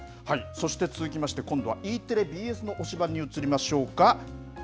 そして、続きまして今度はＥテレ、ＢＳの推しバン！に移りましょうか。